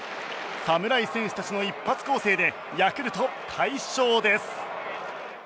侍選手たちの一発攻勢でヤクルト、快勝です。